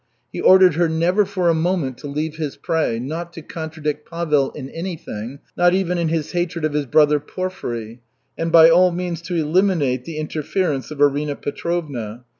He ordered her never for a moment to leave his prey, not to contradict Pavel in anything, not even in his hatred of his brother Porfiry, and by all means to eliminate the interference of Arina Petrovna.